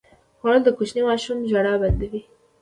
خوړل د کوچني ماشوم ژړا بنده وي